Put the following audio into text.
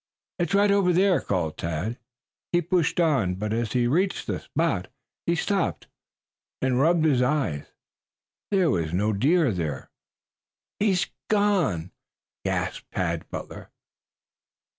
"It is right over there," called Tad. He pushed on, but as he reached the spot he stopped and rubbed his eyes. There was no deer there. "He's gone," gasped Tad Butler.